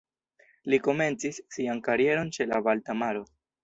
Li komencis sian karieron ĉe la Balta Maro.